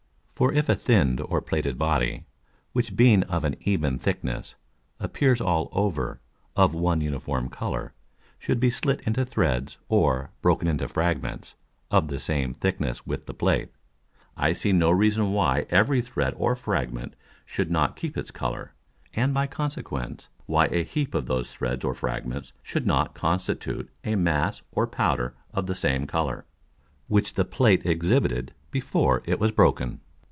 _ For if a thinn'd or plated Body, which being of an even thickness, appears all over of one uniform Colour, should be slit into Threads, or broken into Fragments, of the same thickness with the Plate; I see no reason why every Thread or Fragment should not keep its Colour, and by consequence why a heap of those Threads or Fragments should not constitute a Mass or Powder of the same Colour, which the Plate exhibited before it was broken.